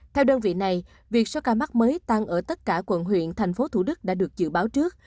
theo đơn vị này việc số ca mắc mới tăng ở tất cả quận huyện thành phố thủ đức đã được dự báo trước